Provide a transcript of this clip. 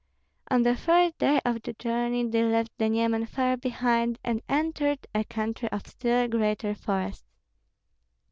On the third day of the journey they left the Nyemen far behind, and entered a country of still greater forests.